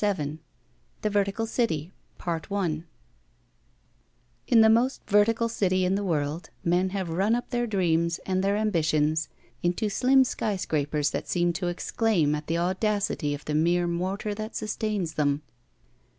I \ THE VERTICAL CITY THE VERTICAL CITY IN the most vertical city in the world men have run up their dreams and their ambitions into slim skyscrapers that seem to exclaim at the audacity of the mere mortar that sustains them.